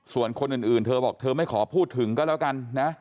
ส่วนคนอื่นเธอบอกเธอไม่ขอพูดถึงก็แล้วกันนะ